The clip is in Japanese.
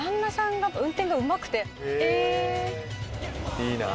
いいなぁ。